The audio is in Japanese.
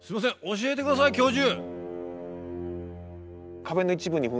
教えて下さい教授。